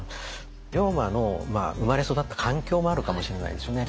龍馬の生まれ育った環境もあるかもしれないですよね。